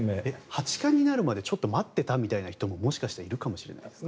八冠になるまで待っていたという方ももしかしたらいるかもしれないですね。